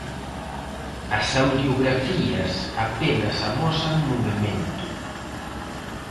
As audiografías apenas amosan movemento.